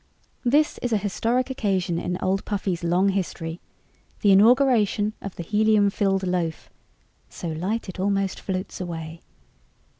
This is a historic occasion in Old Puffy's long history, the inauguration of the helium filled loaf ('So Light It Almost Floats Away!')